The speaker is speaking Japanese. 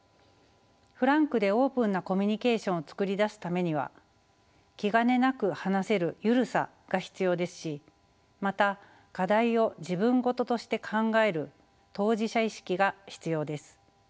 フランクでオープンなコミュニケーションを作り出すためには気兼ねなく話せる緩さが必要ですしまた課題を自分事として考える当事者意識が必要です。